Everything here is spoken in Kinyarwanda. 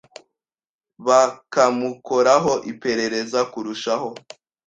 bakamukoraho iperereza kurushaho